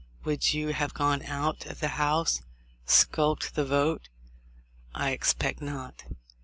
Would you have gone out of the House, — skulked the vote ? I expect not.